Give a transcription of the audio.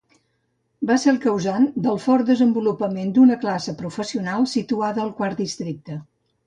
Van ser el causant del fort desenvolupament d'una classe professional situada al Quart Districte.